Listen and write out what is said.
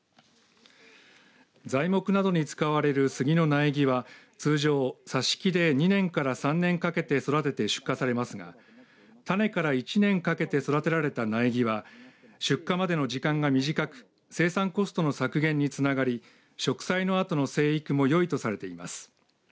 材木などに使われる杉の苗木は通常、挿し木で２年から３年かけて育てて出荷されますが種から１年かけて育てられた苗木は出荷までの時間が短く生産コストの削減につながり植栽のあとの生育もよいとされています。